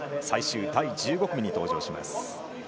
最終第１５組に登場します。